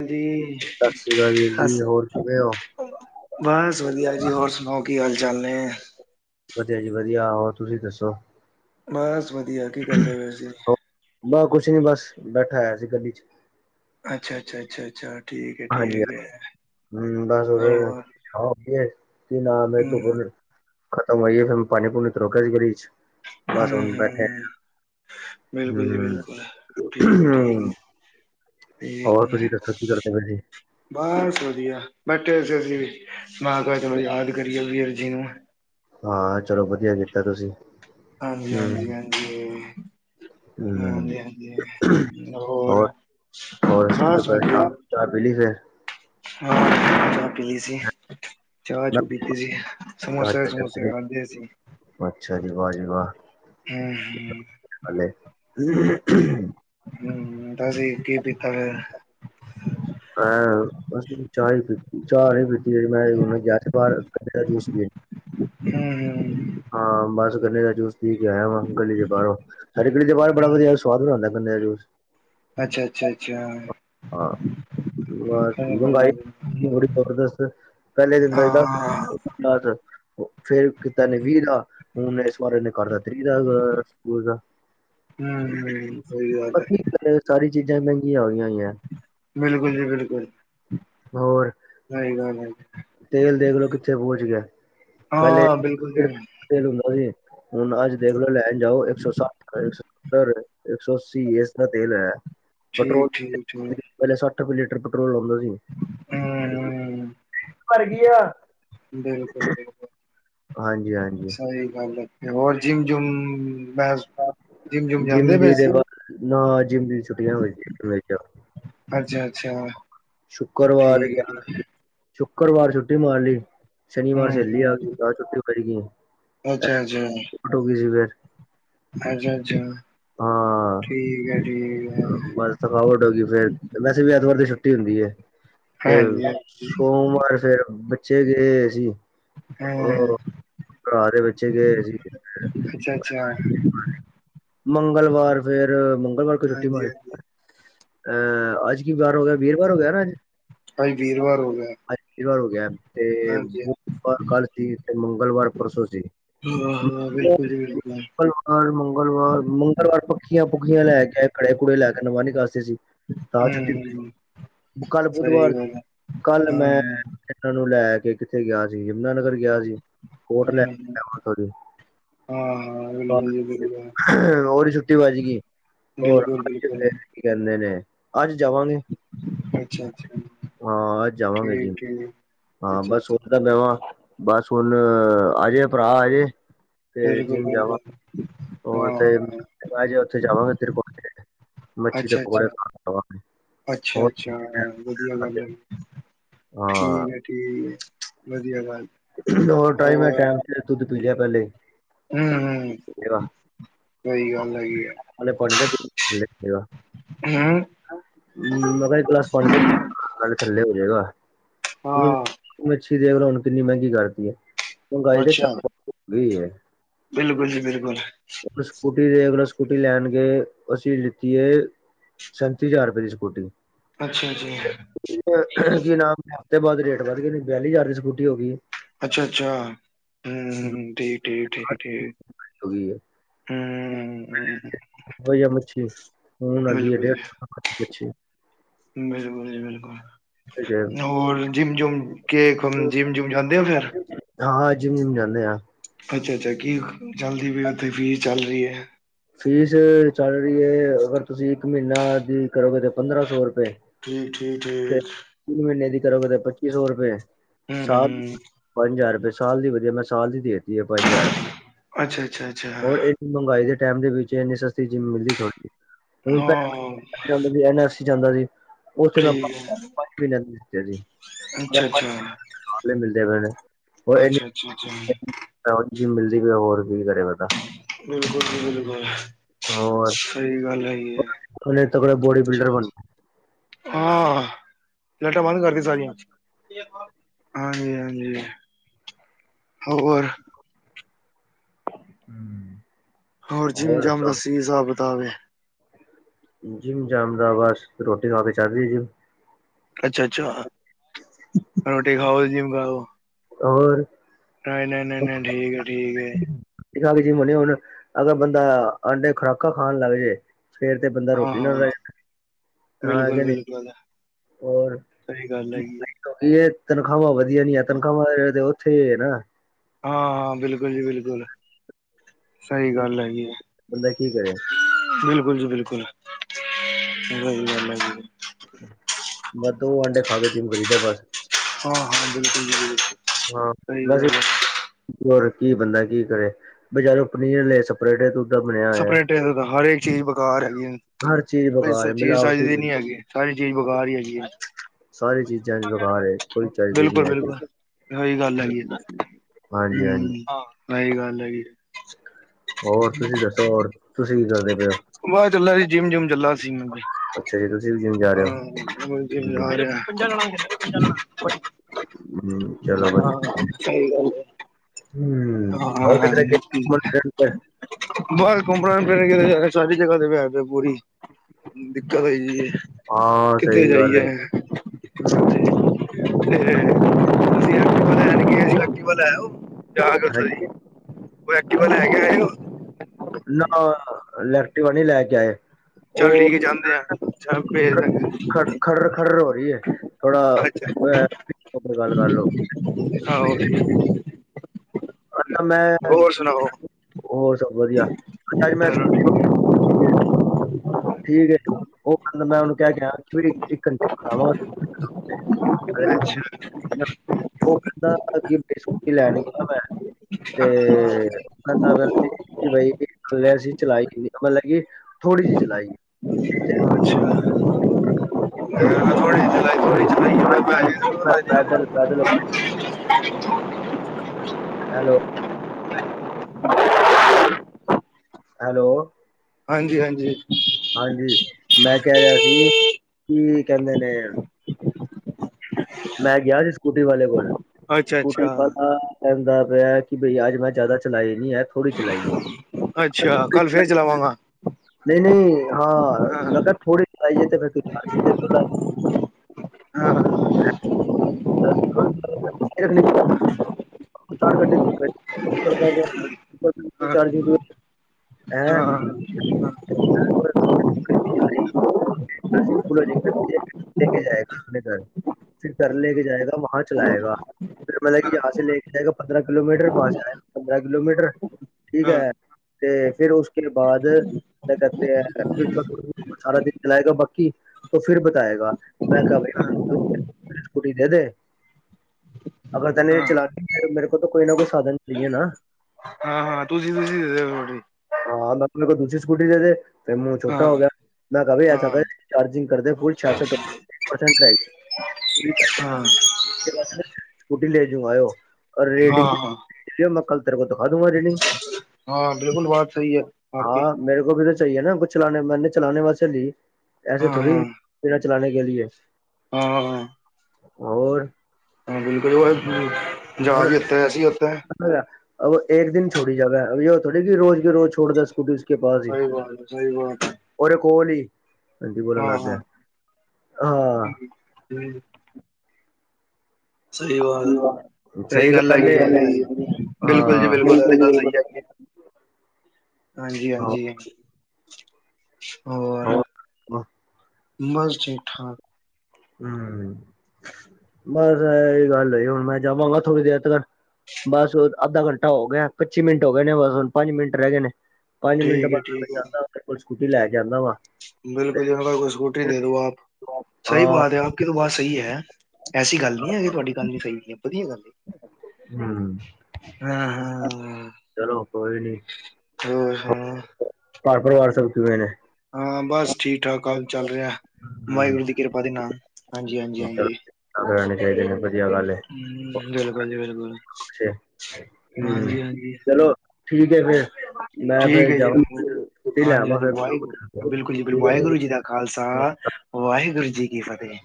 ਹਾਂਜੀ। ਸ ਸ਼੍ਰੀ ਕਾਲ ਵੀਰ ਜੀ, ਹੋਰ ਕਿਵੇਂ ਓ? ਬਸ ਵਧੀਆ ਜੀ ਹੋਰ ਸੁਣਾਓ ਕੀ ਹਾਲ-ਚਾਲ ਨੇ? ਵਧੀਆ ਜੀ ਵਧੀਆ ਹੋਰ ਤੁਸੀਂ ਦੱਸੋ? ਬਸ ਵਧੀਆ ਕੀ ਕਰਦੇ ਪੇ ਸੀ? ਬਾ ਕੁਛ ਨੀ ਬਸ ਬੈਠਾ ਹੋਇਆ ਸੀ ਗਲੀ 'ਚ। ਅੱਛਾ-ਅੱਛਾ-ਅੱਛਾ-ਅੱਛਾ ਠੀਕ ਏ, ਹਾਂਜੀ ਠੀਕ ਏ, ਹੋਰ। ਹਾਂ ਅਗੇ ਕੀ ਨਾਮ ਏ ਹੂੰ ਤੂੰ‌ ਬੋਲਣ ਖ਼ਤਮ ਹੋਈਏ ਫੇਰ ਹੁਣ ਪਾਣੀ ਪੂਣੀ ਤਰੋ ਕਰੀ ਗਲੀ 'ਚ ਬਸ ਹੁਣ ਬੈਠੇ ਬਿਲਕੁੱਲ ਜੀ ਹਮ ਬਿਲਕੁੱਲ ਠੀਕ ਏ ਠੀਕ। ਠੀਕ ਹੋਰ ਹੈ ਤੁਸੀਂ ਦੱਸੋ ਕੀ ਕਰਦੇ ਪੇ ਸੀ? ਬਸ ਵਧੀਆ ਬੈਠੇ ਹੋਏ ਸੀ ਅਸੀਂ ਵੀ ਮਾਹਾ ਕੇਆ ਚਲੋ ਯਾਦ ਕਰੀਏ ਵੀਰ ਜੀ ਨੂੰ। ਹਾਂ ਚਲੋ ਵਧੀਆ ਕੀਤਾ ਤੁਸੀਂ। ਹਮ ਹਾਂਜੀ-ਹਾਂਜੀ-ਹਾਂਜੀ ਬਈ ਜੀ, ਹਮ ਹਾਂਜੀ-ਹਾਂਜੀ। ਹੋਰ, ਬਸ ਵਧੀਆ। ਚਾ ਪੀਲੀ ਸੈ। ਹਾਂਜੀ ਚਾ ਪੀਲੀ ਸੀ। ਚਾ ਚੂ ਪੀਤੀ ਸੀ, ਅੱਛਾ ਅੱਛਾ ਪੀ ਸਮੋਸੇ-ਸਮੋਸੇ ਲਈ। ਖਾਂਦੇ ਸੀ। ਅੱਛਾ ਜੀ ਵਾ ਜੀ ਵਾ। ਅਲੇ। ਹੂੰ ਬਸ ਜੀ ਕੀ ਪੀਤਾਂ ਫੇਰ। ਅ ਅਸੀਂ ਬੀ ਚਾ ਏ ਪੀਤੀ, ਚਾ ਏ ਪੀਤੀ ਮੈਂ ਐ ਜਸ ਕੌਰ ਬਾਰ ਜੂਸ ਪੀ। [inaudible] ਹੂੰ-ਹੂੰ। ਹਾਂ ਬਸ ਗੰਨੇ ਦਾ ਜੂਸ ਪੀ ਕੇ ਆਇਆ ਵਾ ਗਲੀ ਦੇ ਬਾਰੋਂ। ਥਾਡੀ ਗਲੀ ਦੇ ਬਾਰ ਬੜਾ ਵਧੀਆ, ਸੁਆਦ ਬਣਾਦੈ ਗੰਨੇ ਦਾ ਜੂਸ। ਅੱਛਾ-ਅੱਛਾ-ਅੱਛਾ। ਹਾਂ। ਬਸ ਬਿਲਕੁਲ ਮਹਿੰਗਾਈ ਜੀ ਬੜੀ ਜ਼ਬਰਦਸਤ ਪਹਿਲੇ ਦਿਨ ਦਾ ਹਾਂ। ਏਦਾ ਬਾ 'ਚ ਫੇਰ ਕੀਤਾ ਏਨੇ ਵੀ ਦਾ ਹੁਣ ਏਸ ਬਾਰੇ ਏਨੇ ਕਰ ਦੈ ਤੀ ਦਾ ਅਸ ਸਕੂਲ ਦਾ, ਹੂੰ, ਸਹੀ ਗੱਲ ਹੈ, ਬਾਕੀ ਸਾਰੀ ਚੀਜ਼ਾਂ ਮਹਿੰਗੀਆਂ ਹੋਈਆਂ ਵੀ ਐ। ਬਿਲਕੁੱਲ ਜੀ ਬਿਲਕੁੱਲ। ਹੋਰ। [inaudible] ਤੇਲ ਦੇਖ ਲੋ ਕਿੱਥੇ ਪਹੁੰਚ ਗਿਆ, ਪਹਿਲੇ ਹਾਂ, ਬਿਲਕੁਲ ਜੀ, ਤੇਲ ਹੁੰਦਾ ਸੀ ਹੁਣ ਅੱਜ ਦੇਖ ਲੋ ਲੈਣ ਜਾਓ ਇੱਕ ਸੌ ਸੱਠ ਰੁਪਏ, ਸੌ ਰੁਪਏ, ਇੱਕ ਸੌ ਅੱਸੀ ਇਸ ਦਾ ਤੇਲ ਐ, ਪੈਟਰੋਲ ਠੀਕ-ਠੀਕ-ਠੀਕ, ਪਹਿਲੇ ਸੱਠ ਰੁਪਏ ਲੀਟਰ ਪੈਟਰੋਲ ਹੁੰਦਾ ਸੀ। ਹੂੰ-ਹੂੰ। ਭਰਗੀਆ, ਬਿਲਕੁਲ-ਬਿਲਕੁਲ, ਹਾਂਜੀ-ਹਾਂਜੀ। ਸਈ ਗੱਲ ਐ ਹੋਰ ਜਿੰਮ ਜੁਮ ਮੈਂਸ, ਜਿੰਮ ਜੁਮ ਜਿਮ ਜਾਂਦੇ ਪੇ ਦੀ ਦੇ ਸੀ? ਨਾ ਜਿੰਮ ਦੀਆਂ ਛੁੱਟੀਆਂ ਹੋ ਆ। ਅੱਛਾ-ਅੱਛਾ। ਸ਼ੁੱਕਰਵਾਰ ਠੀਕ ਹੈ ਗਿਆ, ਠੀਕ, ਸ਼ੁੱਕਰਵਾਰ ਛੁੱਟੀ ਮਾਰ ਲੀ ਸ਼ਨੀਵਾਰ ਸੇਲੀ ਹੂੰ-ਹੂੰ, ਆਗੀ ਤਾਂ ਛੁੱਟੀ ਪੜ ਗੀ, ਅੱਛਾ-ਅੱਛਾ, ਟ ਹੋਗੀ ਸੀ ਫੇਰ। ਮੈਂ ਕਿਆ ਅੱਛਾ, ਹਾਂ ਠੀਕ ਐ। ਬਸ ਥਕਾਵਟ ਹੋਗੀ ਫਿਰ, ਵੈਸੇ ਵੀ ਐਤਵਾਰ ਦੀ ਛੁੱਟੀ ਹੁੰਦੀ ਏ। ਤੇ ਹਾਂਜੀ। ਸੋਮਵਾਰ ਫਿਰ, ਬੱਚੇ ਗਏ ਸੀ। ਹਾਂ ਉਹ ਭਰਾ ਦੇ ਬੱਚੇ ਗਏ ਹੋਏ ਸੀ, ਫਿਰ ਅੱਛਾ-ਅੱਛਾ ਮੰਗਲਵਾਰ ਫੇਰ, ਮੰਗਲਵਾਰ ਕੋ ਛੁੱ ਹਾਂਜੀ-ਹਾਂਜੀ ਅਹ, ਅੱਜ ਕੀ ਵਾਰ ਹੋਗਿਆ, ਵੀਰਵਾਰ ਹੋਗਿਆ ਨਾ ਅੱਜ? ਭਾਈ ਵੀਰਵਾਰ ਹੋਗਿਆ। ਅੱਜ ਵੀਰਵਾਰ ਹੋਗਿਆ, ਤੇ ਬੁਵਾਰ ਕੱਲ ਸੀ ਤੇ ਮੰਗਲਵਾਰ ਪਰਸੋ ਸੀ। ਹਾਂ-ਹਾਂ, ਬਿਲਕੁਲ ਜੀ ਬਿਲਕੁਲ। ਪਰ ਮੰਗਲਵਾਰ, ਮੰਗਲਵਾਰ ਪੱਖੀਆਂ-ਪੁੱਖੀਆਂ ਲੈਕੇ ਆਏ, ਕੜੇ-ਕੁੂੜੇ ਲੈਕੇ ਨਵਾ ਨੀ ਕਾਸੇ ਸੀ। ਤਾਂ ਛੁੱਟੀ, ਹੂੰ ਹੁਣ ਕੱਲ ਸਹੀ ਬੁੱਧਵਾਰ ਸੀ। ਗੱਲ ਹੈ ਕੱਲ ਮੈਂ, ਹਾਂ-ਹਾਂ ਇਹਨਾਂ ਨੂੰ ਲੈਕੇ ਕਿੱਥੇ ਗਿਆ ਸੀ, ਯਮੁਨਾਨਗਰ ਗਿਆ ਸੀ। ਕੋਟ ਲੈਕ [inaudible] ਹੂੰ ਆਵਾਂਗਾ ਜੀ। ਹਾਂ-ਹਾਂ ਬਿਲਕੁਲ ਜੀ ਬਿਲਕੁਲ ਹੋਹ ਈ ਛੁੱਟੀ ਵਜਗੀ। ਬਿਲਕੁਲ-ਬਿਲਕੁਲ। ਕੀ ਕਹਿੰਦੇ ਨੇ, ਅੱਜ ਜਾਵਾਂਗੇ। ਅੱਛਾ-ਅੱਛਾ। ਹਾਂ, ਅਜ ਜਾਵਾਂਗੇ ਜੀ, ਠੀਕ-ਠੀਕ ਹਾਂ ਬਸ ਹੋ ਅੱਛਾ-ਅੱਛਾ ਦਵਾਂ ਬਸ ਹੁਣ, ਆਜੇ ਭਰਾ ਆਜੇ। ਫਿਰ ਜਿੰਮ ਜਾਵਾਂ, ਬਿਲਕੁਲ-ਬਿਲਕੁਲ ਹੋਰ ਫੇਰ ਹਾਂ ਬਾ'ਚ ਉੱਥੇ ਜਾਵਾਂਗੇ, ਤਿਕੁ ਮੱਛੀ ਦੇ ਅੱਛਾ-ਅੱਛਾ ਪਕੋੜੇ ਖਾਕੇ ਆਵਾਂਗੇ, ਹੋਰ ਅੱਛਾ-ਅੱਛਾ ਠੀਕ ਐ। ਵਧੀਆ ਗੱਲ ਹੈ, ਠੀਕ ਐ ਠੀਕ, ਵਧੀਆ ਗੱਲ। ਹੋਰ ਤਾਈ ਮੈਂ ਕਿਹਾ, ਕਿ ਦੁੱਧ ਪੀ ਲਿਆ ਪਹਿਲੇ। ਹੂੰ, ਗਾ ਹੂੰ ਸਹੀ ਗੱਲ ਹੈਗੀ ਏ। ਨਾਲੇ ਪਾਣੀ ਦਾ ਕਿਹੜਾ ਹੂੰ [unintelligible] ਹੂੰ, ਮਗਰ ਇੱਕ ਗਲਾਸ ਪਾਣੀ ਦਾ, ਨਾਲੇ ਥੱਲੇ ਹੋਜੇਗਾ। ਹਾ ਮੱਛੀ ਦੇਖਲੋ ਹੁਣ ਕਿੰਨੀ ਮਹਿੰਗੀ ਕਰਤੀ ਐ, ਮਹੰਗਾਈ ਤੇ ਅੱਛਾ ਚਲੋ ਗਈ ਏ। ਬਿਲਕੁਲ ਜੀ, ਬਿਲਕੁਲ। ਓ ਸਕੂਟਰੀ ਦੇਖਲੋ, ਸਕੂਟੀ ਲੈਣ ਗਏ, ਅਸੀਂ ਲਿੱਤੀਏ ਸੈਂਤੀ ਹਜ਼ਾਰ ਰੁਪਏ ਦੀ ਸਕੂਟੀ। ਅੱਛਾ-ਅੱਛਾ ਕਿ ਨਾਮ, ਹਫ਼ਤੇ ਬਾਅਦ ਰੇਟ ਵੱਧ ਗਏ ਨੇ, ਬਿਆਲੀ ਹਜ਼ਾਰ ਦੀ ਸਕੂਟੀ ਹੋਗੀ ਏ‌। ਅੱਛਾ-ਅੱਛਾ, ਹੂੰ, ਠੀਕ-ਠੀਕ- ਹਰ ਚੀਜ਼ ਠੀਕ-ਠੀਕ। ਹੋ ਗਈ ਹੈ ਹੂੰ ਵਧੀਆ ਮੱਛੀ, ਹੁਨ ਆਂਦੀ ਏ, ਡੇਢ ਸੋ [inaudible] ਮੱਛੀ ਬਿਲਕੁਲ ਜੀ, ਬਿਲਕੁਲ। ਹੋਰ, ਜਿੰਮ-ਜੁਮ ਕੇ, ਜਿੰਮ-ਜੁੰਮ ਜਾਂਦੇ ਓ, ਫਿਰ? ਹਾਂ, ਜਿੰਮ-ਜੁੰਮ ਜਾਂਨੇੇ ਆਂ। ਅੱਛਾ-ਅੱਛਾ, ਕੀ ਚੱਲਦੀ ਪਈ ਉੱਥੇ ਫੀਸ ਚੱਲ ਰਹੀ ਏ? ਫੀਸ ਚੱਲ ਰਹੀ ਏ, ਅਗਰ ਤੁਸੀਂ ਇੱਕ ਮਹੀਨਾ ਦੀ ਕਰੋਗੇ ਤਾ ਪੰਦਰਾਂ ਸੋ ਰੁਪਏ। ਤੇ ਠੀਕ-ਠੀਕ-ਠੀਕ। ਤਿੰਨ ਮਹੀਨੇ ਦੀ ਕਰੋਗੇ ਤੇ ਪੱਚੀ ਸੌ ਰੁਪਏ, ਹਮ ਸਾਲ ਹਮ ਪੰਜ ਹਜ਼ਾਰ ਰੁਪਏ ਸਾਲ ਦੀ ਵਧੀ ਆ, ਮੈਂ ਸਾਲ ਦੀ ਦੇਤੀ ਆ, ਪੰਜ ਹਜ਼ਾਰ, ਅੱਛਾ ਅੱਛਾ ਅੱਛਾ ਹੋਰ ਮਹੰਗਾਈ ਦੇ ਟਾਈਮ ਦੇ ਵਿੱਚ ਇੰਨੀ ਸਸਤੀ ਜਿੰਮ ਮਿਲਦੀ ਥੋੜੀ ਨਾ, ਹੁਣ ਤਾ ਹਾਂ ਕੀ ਜਾਂਦਾ ਜੀ। ਠੀਕ ਐ। ਮਿਲਣਾ ਜੀ, ਅੱਛਾ ਜੀ, ਆਪ ਵੀ ਮਿਲ ਜਾਣਾ ਜੇ? ਅੱਛਾ- ਅੱਛਾ -ਅੱਛਾ। ਰਾਲ ਜ ਮਿਲਦੀ ਪਈ ਹੋਰ ਕੀ ਕਰ ਪਤਾ ਬਿਲਕੁਲੀ ਜੀ ਬਿਲਕੁਲ। ਹੋਰ ਸਈ ਗੱਲ ਹੈਗੀ ਐ। ਉਹਨੇ ਤਕੜਾ ਬੋਡੀ ਬਿਲਡਰ ਬਣ ਹਾਂ ਲੈਟਾਂ ਬੰਦ ਕਰਦੀ ਸਾਰੀਆਂ ਹਾਂਜੀ -ਹਾਂਜੀ। ਹੋਰ ਹੂ ਹੋਰ ਜਿੰਮ ਜਮ ਦਾ ਸੀ ਹਿਸਾਬ ਬਤਾਬ ਏ? ਜਿਮ- ਜਾਮ ਦਾ ਬਸ ਰੋਟੀ ਖਾ ਕੇ ਚੱਲਦੀ ਜਿਮ। ਅੱਛਾ -ਅੱਛਾ ਰੋਟੀ ਖਾਓ -ਜਿਮ ਗਾਓ। ਹੋਰ ਨਾ- ਨਾ-ਨਾ-ਨਾ ਠੀਕ ਏ-ਠੀਕਏ। ਜੀ ਮੰਨਿਓ ਹੁਣ ਅਗਰ ਬੰਦਾ ਆਂਡੇ ਖੁਰਾਕਾਂ ਖਾਣ ਲੱਗ ਜੇ ਫੇਰ ਤੇ ਬੰਦਾ ਹਾਂ ਰੋਟੀ ਨਾ ਹਾਂ ਖਾਏ, ਹਾਂ ਬਿਲਕੁਲ ਹੈਗੇ ਨੇ ਬਿਲਕੁਲ ਹੋਰ, ਸਹੀ ਗੱਲ ਹੈਗੀ ਹੈ। ਯੇ ਤਨਖਾਵਾ ਵਧੀਆ ਨੀ ਹੈ, ਤਨਖਾਵਾ ਤਾ ਉੱਥੇ ਈ ਹੈ ਨਾ। ਹਾਂ -ਹਾਂ ਬਿਲਕੁਲ ਜੀ ਬਿਲਕੁਲ। ਸਈ ਗੱਲ ਹੈਗੀ ਆ। ਬੰਦਾ ਕੀ ਕਰੇ ਬਿਲਕੁਲ ਜੀ ਬਿਲਕੁਲ, ਸਈ ਗੱਲ ਹੈਗੀ ਏ। ਬਸ ਦੋ ਆਂਡੇ ਖਾ ਕੇ ਜਿਮ ਕਰੀਦਾ ਬਸ। ਹਾਂ -ਹਾਂ ਬਿਲਕੁਲ ਜੀ ਬਿਲਕੁਲ। ਹਾਂ ਸਹੀ ਬਸ ਗੱਲ ਹੈ ਹੋਰ ਕੀ ਬੰਦਾ ਕੀ ਕਰੇ ਬਜਾਰੋ ਪਨੀਰ ਲੈਈ ਪ੍ਰੇਡਿਤ ਦੁੱਧ ਦਾ ਬਣੇਆ ਹੋਇਆ। ਪ੍ਰੇਡਿਤ ਦੁੱਧ ਦਾ ਹਰ ਇੱਕ ਚੀਜ਼ ਬਕਾਰ ਹੈਗੀ ਆ। ਹਰ ਚੀਜ਼ ਕੋਈ ਸ ਬੇਕਾਰ ਏ ਚੀਜ਼ ਮਿਲਾਵਟੀ ਚਜਦੀ ਨੀ ਹੈਗੀ, ਸਾਰੀ ਚੀਜ਼ ਬਕਾਰ ਈ ਹੈਗੀ ਆ। ਸਾਰੀ ਚੀਜ਼ਾਂ ਚ ਬੇਕਾਰ ਏ ਕੋਈ ਚੱਜ ਦੀ ਨੀ ਬਿਲਕੁਲ- ਹੈਗੀ। ਬਿਲਕੁਲ। ਆਹੀ ਗੱਲ ਹੈਗੀ ਆ, ਹਾਂਜੀ ਹਾਂਜੀ ਹੁ ਆਹੀ ਗੱਲ ਹੈਗੀ ਆ। ਹੋਰ ਤੁਸੀਂ ਦੱਸੋ ਹੋਰ ਤੁਸੀਂ ਕੀ ਕਰਦੇ ਪਏ ਹੋ ਮੈ ਚੱਲਾ ਸੀ ਜਿੰਮ- ਜੁਮ ਚੱਲਾ ਸੀ ਮੈ ਤੇ। ਅੱਛਾ ਜੀ ਤੁਸੀਂ ਵੀ ਜਿਮ ਜਾਨ ਹਾਂ ਮੈ ਵੀ ਜਿਮ ਜਾ ਰੇਆ। ਹਾਂ ਹੂੰ ਚਲੋ ਸਈ ਗੱਲ ਏ। ਹੂ ਹਾਂ--ਬਸ ਠੀਕ ਏ। ਬੱਸ ਘੁੰਮਣ ਫਿਰਨ ਕਿਤੇ ਨਈ ਜਾਣਾ ਸਾਰੀ ਜਗਾ ਤੇ ਮੈ ਆਇਆ ਪੇਆ ਪੂਰੀ। ਦਿੱਕਤ ਹੈਗੀ ਏ, ਹਾਂ ਕਿੱਥੇ ਸਹੀ ਜਾਈਏ? ਗੱਲ ਏ ਹ ਤੇ ਅਸੀਂ ਜਾਨੇ ਕੀ ਐਕਟੀਵਾ ਲੈ ਆਓ, ਜਾ ਕੇ ਉੱਥੋਂ ਦੀ, ਹਾਂਜੀ ਪਰ ਐਕਟੀਵਾ ਲੈ ਕੇ ਆਏ ਓ। ਨਾ ਲੈਕਟੀਵਾ ਨਈ ਲੈ ਕੇ ਆਏ। ਚੱਲ ਉਹ ਠੀਕ ਆ ਜਾਂਨੇ ਆ ਚੱਲ ਭੇਜਦੇ ਫੇਰ ਖਰਖਰ ਹੋ ਰਈ ਐ, ਥੋੜਾ ਐ ਪਿੱਛੇ ਹੋ ਕੇ ਗੱਲ ਕਰ ਲਓ। ਆਹੋ ਅੱਛਾ ਮੈਂ ਹੋਰ ਸੁਣਾਓ ਹੋਰ ਸਭ ਵਧੀਆ, ਅੱਜ ਮੈਂ ਚਲੋ ਸਕੂ ਠੀਕ ਐ, ਓ ਕੰਮ ਮੈਂ ਓਨੂੰ ਕੈ ਕੇ ਆਏਆ ਥੋੜੀ ਇੱਕ ਘੰਟਾ ਕਰਾਲੋ ਠੀਕ ਏ ਅੱਛਾ ਉਹ ਕਹਿੰਦਾ ਕਿ ਸਕੂਟੀ ਲੈਣ ਗਿਆ ਮੈਂ। ਤੇ ਉਹ ਬਈ [unintelligible] ਅਸੀਂ ਚਲਾਈ ਮਲਬ ਕਿ ਥੋੜੀ ਜੀ ਚਲਾਈ ਅੱਛਾ ਕਿਉਂਕਿ ਥੋੜੀ ਅੱਜ ਮੈਂ ਪੈਦਲ ਪੈਦਲ [inaudible] ਹੈਲੋ ਹੈਲੋ ਹਾਂਜੀ-ਹਾਂਜੀ ਹਾਂਜੀ ਮੈਂ ਕਹ ਰਿਹਾ ਸੀ ਕੀ ਕੇਂਦੇ ਨੇ ਮੈਂ ਗਿਆ ਸੀ ਸਕੂਟੀ ਵਾਲੇ ਕੋਲ ਅੱਛਾ ਸਕੂਟੀ ਅੱਛਾ ਵਾਲਾ ਕੇਂਦਾ ਪਿਆ ਕਿ ਬਈ ਅੱਜ ਮੈਂ ਜਾਦਾ ਚਲਾਈ ਨੀ ਐ। ਥੋੜੀ ਚਲਾਈ ਏ। ਅੱਛਾ ਕੱਲ ਫੇਰ ਚਲਾਵਾਂਗਾ ਨਈ-ਨਈ ਹਾਂ ਮੈਂ ਕਿਹਾ ਥੋੜੀ ਚਲਾਈ ਈ ਏ ਤੇ ਫੇਰ ਤੂੰ ਚਾਰਿੰਗ ਕਯੋ ਲਾਈ। ਹਾਂ [inaudible] [unintelligible] ਹੈਂ। ਹਮ [inaudible] ਲੇ ਕੇ ਜਾਏ ਅਪਨੇ ਘਰ। ਫਿਰ ਘਰ ਲੈ ਕੇ ਜਾਏਗਾ ਵਹਾ ਚਲਾਏਗਾ। ਫਿਰ ਮਤਲਬ ਕਿ ਯਹਾ ਸੇ ਲੈ ਕੇ ਜਾਏਗਾ ਪੰਦਰਾਂ ਕਿਲੋਮੀਟਰ ਆਏਗਾ ਪੰਦਰਾਂ ਕਿਲੋਮੀਟਰ ਠੀਕ ਐ। ਤੇ ਫਿਰ ਉਸਕੇ ਬਾਦ ਕਯਾ ਕੇਤੇ ਐ ਫਿਰ [unintelligible] ਸਾਰਾ ਦਿਨ ਚਲਾਏਗਾ ਬਾਕੀ ਫਿਰ ਬਤਾਏਗਾ ਮੈਂ ਕ ਸਕੂਟੀ ਦੇਦੇ। ਅਗਰ ਤੈਨੇ ਏ ਹਾਂ ਚਲਾਨੀ ਏ ਮੇਰੇ ਕੋ ਤਾਂ ਕੋਈ ਨਾ ਕੋਈ ਸਾਧਨ ਨੀ ਏ ਨਾ। ਹਾਂ ਤੁਸੀਂ-ਤੁਸੀਂ ਦੇਦੋ। ਹਾਂ [unintelligible] ਦੂਜੀ ਸਕੂਟੀ ਦੇ-ਦੇ ਤੇ ਮੂਉ ਛੋਟਾ ਹਾਂ ਹੋ ਗਿਆ। ਮੈਂ ਕਾ ਬੀ ਹਾਂ ਐਸਾ ਕਰ ਚਾਰਜਿੰਗ ਕਰਦੇ ਫੁਲ ਛ [unintelligible] ਸਠ ਪਰਸੈਂਟ ਰਏ। ਹਾਂ ਸਕੂਟੀ ਲੈ ਜੂਗਾ ਯੋ ਔ ਹਾਂ ਰੇਡਿੰਗ ਹਾਂ ਮੈਂ ਕਲ ਤੇਰੇ ਕੋ ਦਿਖਾਦੁਗਾ ਰਿਡੀਗ। ਹਾਂ ਬਿਲਕੁਲ ਬਾਤ ਸਈ ਹੈ ਆਪ ਕੀ। ਮੇਰੇ ਕੋ ਵੀ ਚਾਹੀਏ ਨਾ ਕੁਛ ਚਲਾਣੇ ਮੈਂਨੇ ਚਲਾਣੇ ਵਾਸਤੇ ਲੀ ਐਸੇ ਥੋੜੀ ਚਲਾਨੇ ਕੇ ਲੀਯੇ। ਹਾਂ ਹੋਰ? ਹਾਂ ਬਿਲਕੁਲ ਉਹ [unintelligible] ਇੱਕ ਦਿਨ ਛੋੜੀ ਜਾਵੇ ਅਬ ਯੋ ਥੋੜੀ ਕਿ ਰੋਜ਼ ਕੇ ਰੋਜ਼ ਛੋੜਦੇ ਸਕੂਟੀ। ਸਈ ਬਾਤ ਸਈ ਬਾਤ ਐ। ਉਦੇ ਕੋਲ ਈ। ਹਾਂ-ਹਾਂ ਠੀਕ ਏ [unintelligible] ਸਹੀ ਬਾਤ ਹੈ ਸਹੀ ਗੱਲ ਹੈਗੀ ਆ ਬਿਲਕੁਲ ਜੀ ਬਿਲਕੁਲ ਏ ਤੇ ਗੱਲ ਸਹੀ ਹੈਗੀ ਐ। ਹਾਂਜੀ-ਹਾਂਜੀ। ਹੋਰ ਹਮ ਬਸ ਠੀਕ ਠਾਕ। ਹੂੰ ਬਸ ਏ ਈ ਗੱਲ ਹੇਗੀ ਹੁਣ ਮੈਂ ਜਾਵਾਂਗਾ ਥੋੜੀ ਦੇਰ ਤੱਕਨ। ਬਸ ਅੱਧਾ ਘੰਟਾ ਹੋ ਗਿਆ, ਪੱਚੀ ਮਿੰਟ ਹੋ ਗਏ ਨੇ ਬਸ ਹੁਣ ਪੰਜ ਮਿੰਟ ਰਹਿ ਗਏ ਨੇ। ਪੰਜ ਮਿੰਟ ਬਾਅਦ ਜਾਂਦਾ ਵਾ ੳਦੇਂ ਕੋਲ ਸਕੂਟੀ ਲੈ ਕੇ ਆਂਦਾ ਵਾ। ਬਿਲਕੁਲ ਜੀ ਹਮਾਰੇ ਕੋ ਸਕੂਟਰੀ ਦੇ ਦੋ ਆਪ, ਸਹੀ ਹਾਂ ਬਾਤ ਹੈ ਆਪ ਕੀ ਤੋ ਬਾਤ ਸਹੀ ਹੈ। ਐਸੀ ਗੱਲ ਨੀ ਹੈ ਤੁਹਾਡੀ ਗੱਲ ਨੀ ਸਹੀ ਹੈ ਵਧੀਆ ਗੱਲ ਹੈ। ਹਮ ਹਾਂ ਚਲੋ ਕੋਈ ਨੀ। ਹ ਹਮ [unintelligible] ਘਰ ਪਰਿਵਾਰ ਸਬ ਕਿਵੇਂ ਨੇ? ਹਾਂ ਬਸ ਠੀਕ ਠਾਕ ਕੰਮ ਚੱਲ ਰਿਹਾ। ਹਮ ਵਾਹਿਗੁਰੂ ਦੀ ਕਿਰਪਾ ਦੇ ਨਾਂਲ ਹਾਂਜੀ-ਹਾਂਜੀ-ਹਾਂਜੀ। ਣੇ ਚਾਹੀਦੇ ਨੇ ਵਧੀਆ ਗੱਲ ਏ। ਹਮ ਬਿਲਕੁਲ ਜੀ ਬਿਲਕੁਲ। ਅੱਛਾ ਹਮ ਹਾਂਜੀ ਹਾਂਜੀ ਚਲੋ ਠੀਕ ਹੈ ਫੇਰ। ਠੀਕ ਹੈ ਜੀ ਆ ਹਾਂਜੀ-ਹਾਂਜੀ ਫਿਰ ਵਾਹਿਗੁਰੂ ਬਿਲਕੁਲ ਜੀ ਬਿਲਕੁਲ ਠੀਕ ਹੈ ਵਾਹਿਗੁਰੂ ਜੀ ਦਾ ਖਾਲਸਾ ਵਾਹਿਗੁਰੂ ਜੀ ਕੀ ਫਤਿਹ।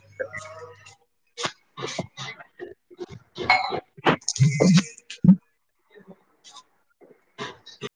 ਹਾਂ [inaudible]